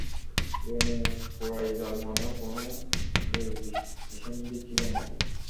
বনু কুরাইজার মনেও কোন দুরভিসন্ধি ছিল না।